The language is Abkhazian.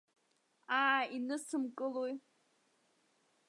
Аа, инысымкылои.